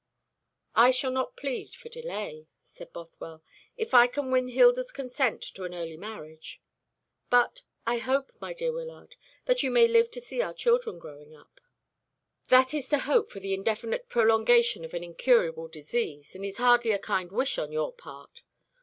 "I shall not plead for delay," said Bothwell, "if I can win Hilda's consent to an early marriage. But I hope, my dear Wyllard, that you may live to see our children growing up." "That is to hope for the indefinite prolongation of an incurable disease, and is hardly a kind wish on your part.